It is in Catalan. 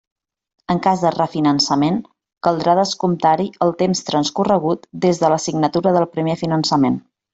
En cas de refinançament, caldrà descomptar-hi el temps transcorregut des de la signatura del primer finançament.